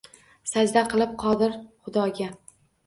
Sajda qilib Qodir xudoga